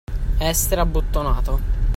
Essere abbottonato.